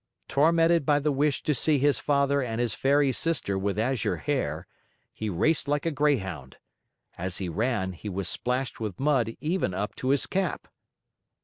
Tormented by the wish to see his father and his fairy sister with azure hair, he raced like a greyhound. As he ran, he was splashed with mud even up to his cap.